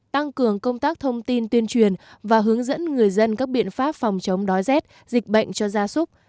tăng cường công tác thông tin tuyên truyền và hướng dẫn người dân các biện pháp phòng chống đói rét dịch bệnh cho gia súc